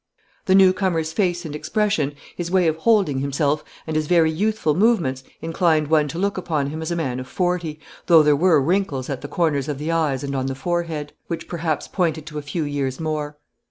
The newcomer's face and expression, his way of holding himself, and his very youthful movements inclined one to look upon him as a man of forty, though there were wrinkles at the corners of the eyes and on the forehead, which perhaps pointed to a few years more.